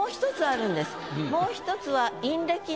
もう１つは。